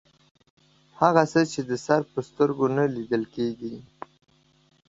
هغه څه چې د سر په سترګو نه لیدل کیږي